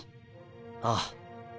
ああ。